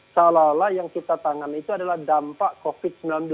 seolah olah yang kita tangani itu adalah dampak covid sembilan belas